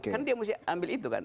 kan dia mesti ambil itu kan